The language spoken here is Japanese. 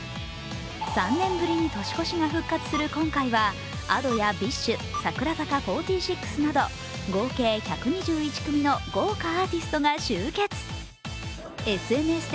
３年ぶりに年越しが復活する今回はＡｄｏやＢｉＳＨ、櫻坂４６など合計１２１組の豪華アーティストが集結。